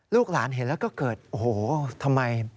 ลูกหลานเห็นแล้วก็เกิดโอ้โหทำไม